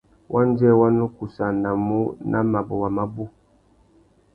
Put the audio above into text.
Wandjê wa nu kussānamú nà mabôwa mabú.